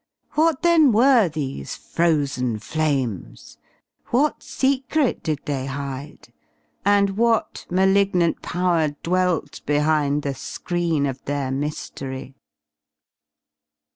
What then were these "Frozen Flames"? What secret did they hide? And what malignant power dwelt behind the screen of their mystery?